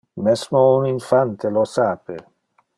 Mesmo un infante lo sape.